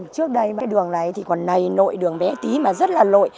trước đây đường này còn nầy nội đường bé tí mà rất là lội